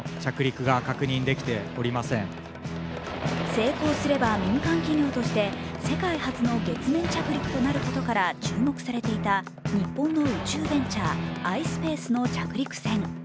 成功すれば民間企業として世界初の月面着陸となることから注目されていた日本の宇宙ベンチャー、ｉｓｐａｃｅの着陸船。